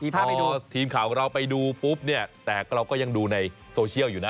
ถ้าไปดูทีมข่าวของเราไปดูปุ๊บเนี่ยแต่เราก็ยังดูในโซเชียลอยู่นะ